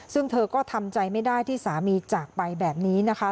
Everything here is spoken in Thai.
ซึ่งเธอก็ทำใจไม่ได้ที่สามีจากไปแบบนี้นะคะ